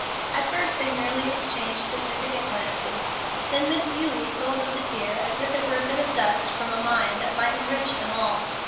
At first they merely exchanged significant glances. Then Miss Eulie told of the tear as if it were a bit of dust from a mine that might enrich them all.